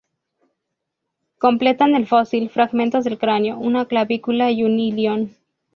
Completan el fósil fragmentos del cráneo, una clavícula y un ilion.